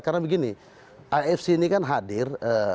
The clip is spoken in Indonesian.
karena begini afc ini kan hadir